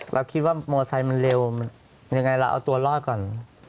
เราคิดว่ามอไซค์มันเร็วยังไงเราเอาตัวรอดก่อน